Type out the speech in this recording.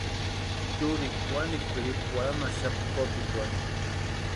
Churikwa wanikwa kwʼiripu warhanhaxapti kopikwarhu.